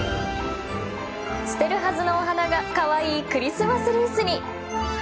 捨てるはずのお花がカワイイクリスマスリースに